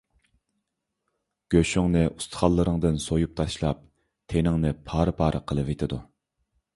گۆشۈڭنى ئۇستىخانلىرىڭدىن سويۇپ تاشلاپ، تېنىڭنى پارە - پارە قىلىۋېتىدۇ.